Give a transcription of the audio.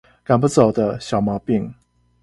趕不走的小毛病